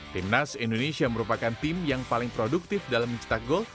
timnas indonesia merupakan tim yang paling produktif dalam mencetak gol